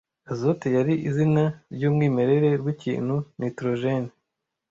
Azote yari izina ryumwimerere ryikintu Nitrogen